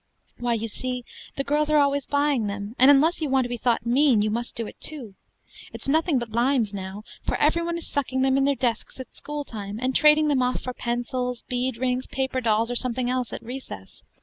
"Why, you see, the girls are always buying them, and unless you want to be thought mean, you must do it too. It's nothing but limes now, for every one is sucking them in their desks in school time, and trading them off for pencils, bead rings, paper dolls, or something else, at recess.